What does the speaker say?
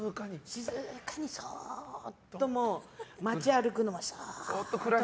静かにそーっと街を歩くのもそーっと。